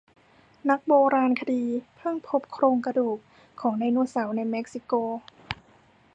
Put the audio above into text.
นักโบราณคดีเพิ่งพบโครงกระดูกของไดโนเสาร์ในเม็กซิโก